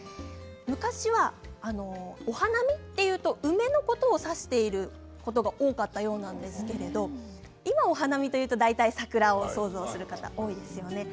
昔はお花見というと梅のことを指していることが多かったようなんですが今は、お花見といえば大体、桜を想像しますね。